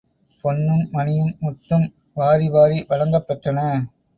பொன்னும் மணியும் முத்தும் வாரி வாரி வழங்கப் பெற்றன.